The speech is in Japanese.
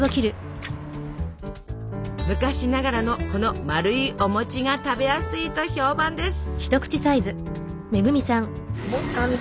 昔ながらのこのまるいお餅が食べやすいと評判です。